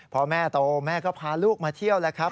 พอแม่โตแม่ก็พาลูกมาเที่ยวแล้วครับ